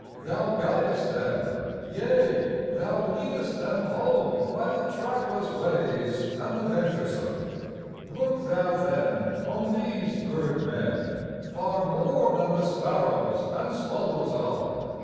Thou guidest them, yea, Thou leadest them home By the trackless ways and the venturesome. Look Thou then on these bird men, far More than the sparrows and swallows are.